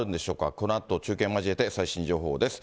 このあと、中継を交えて最新情報です。